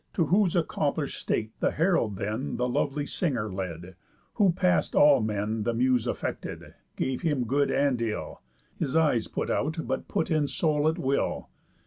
To whose accomplish'd state the herald then The lovely singer led; who past all mean The Muse affected, gave him good, and ill, His eyes put out, but put in soul at will.